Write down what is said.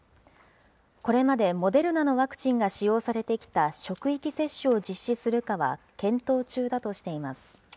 これまでモデルナのワクチンが使用されてきた職域接種を実施するかは検討中だとしています。